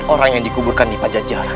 orang yang dikuburkan di panjang jalan